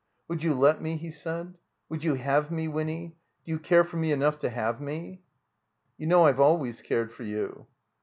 "Would you let me?" he said. "Would you have me, Winny? Do you care for me enough to have mer ?" You know I've alwajrs cared for you."